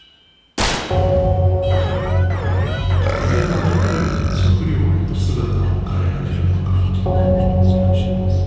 鯨はどのように食料へと姿を変えられるのか。